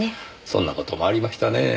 そんな事もありましたねぇ。